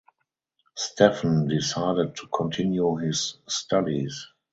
Steffen decided to continue his studies.